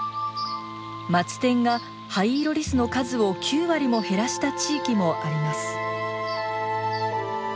マツテンがハイイロリスの数を９割も減らした地域もあります。